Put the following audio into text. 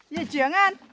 người trưởng anh